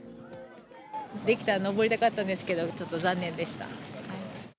できたら上りたかったんですけど、ちょっと残念でした。